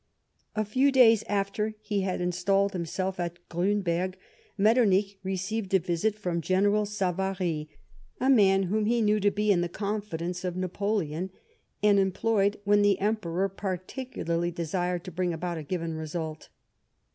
A few days after he had installed himself at Griinberg^ Metternich received a visit from General Savary, a man whom he knew to be in the confidence of Napoleon, and employed when the Emperor particularly desired to bring about a given result.